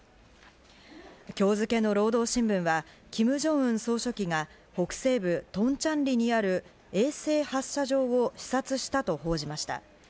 今日付の労働新聞はキム・ジョンウン総書記が北西部トンチャンリにある衛星発射場を視察したと報じました。